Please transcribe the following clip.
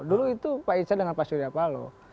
dulu itu pak icah dengan pak suryapalo